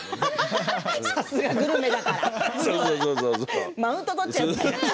さすがグルメだから。